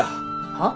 はっ？